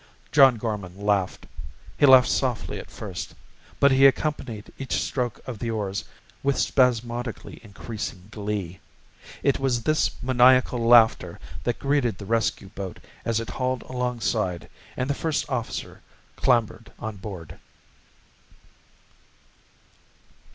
John Gorman laughed. He laughed softly at first, but he accompanied each stroke of the oars with spasmodically increasing glee. It was this maniacal laughter that greeted the rescue boat as it hauled alongside and the first officer clambered on board.